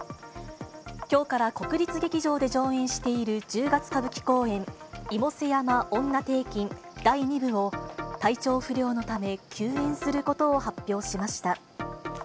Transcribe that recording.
きょうから国立劇場で上演している１０月歌舞伎公演、妹背婦女庭訓第二部を、体調不良のため休演することを発表しました。